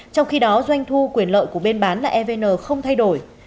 trong khi đó doanh thu quyền lợi của bên bán là evn không thay đổi